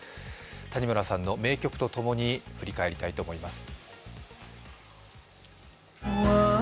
谷村さんの名曲とともに振り返りたいと思います。